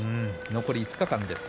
残り５日間です。